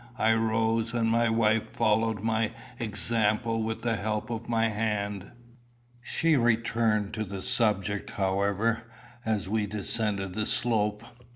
I rose, and my wife followed my example with the help of my hand. She returned to the subject, however, as we descended the slope.